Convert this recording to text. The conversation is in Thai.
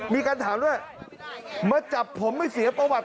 มีการถามด้วยมาจับผมไม่เสียประวัติ